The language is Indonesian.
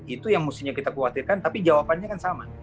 itu yang mestinya kita khawatirkan tapi jawabannya kan sama